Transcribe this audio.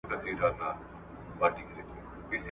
هغه ښار چي تا یې نکل دی لیکلی `